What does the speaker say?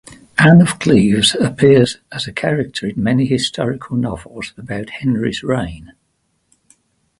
Anne of Cleves appears as a character in many historical novels about Henry's reign.